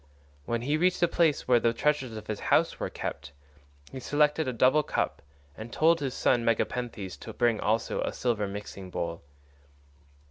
When he reached the place where the treasures of his house were kept, he selected a double cup, and told his son Megapenthes to bring also a silver mixing bowl.